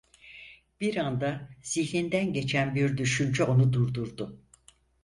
Bir anda zihninden geçen bir düşünce onu durdurdu.